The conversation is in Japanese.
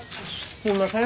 すんません。